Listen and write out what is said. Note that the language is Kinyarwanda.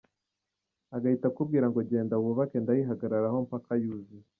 Agahita akubwira ngo genda wubake ndayihagararaho mpaka yuzuye.